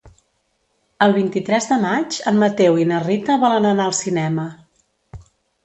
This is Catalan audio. El vint-i-tres de maig en Mateu i na Rita volen anar al cinema.